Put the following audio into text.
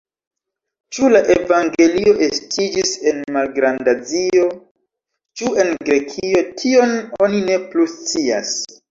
Ĉu la evangelio estiĝis en Malgrandazio, ĉu en Grekio, tion oni ne plu scias.